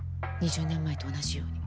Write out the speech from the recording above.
２０年前と同じように。